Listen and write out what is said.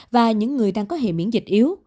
và những người đang có hệ miễn dịch yếu